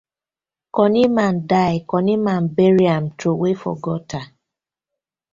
Cunny man die, cunny man bury am troway for gutter.